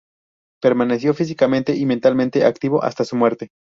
Permaneció físicamente y mentalmente activo hasta su muerte.